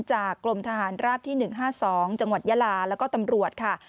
จากกลมทหารราชินทรัพย์ที่ห้าสองจังหวัดยาลาแล้วก็ตำลวจค่ะ